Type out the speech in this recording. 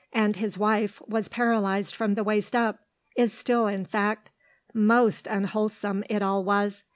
And his wife was paralysed from the waist up is still, in fact. Most unwholesome, it all was.